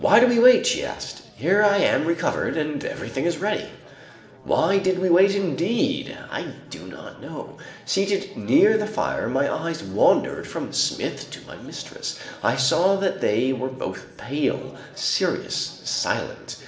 "Why do we wait?" she asked. "Here I am recovered and everything is ready." Why did we wait, indeed? I do not know. Seated near the fire, my eyes wandered from Smith to my mistress. I saw that they were both pale, serious, silent.